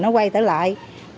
nó quay tới lại nó quay tới lại